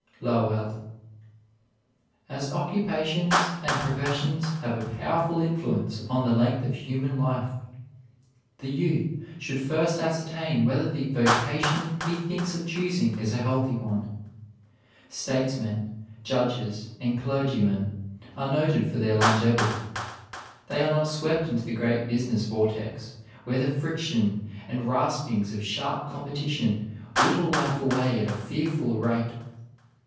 LOWELL. As occupations and professions have a powerful influence upon the length of human life, the youth should first ascertain whether the vocation he thinks of choosing is a healthy one. Statesmen, judges, and clergymen are noted for their longevity. They are not swept into the great business vortex, where the friction and raspings of sharp competition whittle life away at a fearful rate.